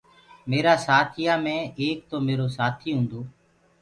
ميرآ سآٿيآ مي ايڪ تو ميرو سآٿيٚ هونٚدو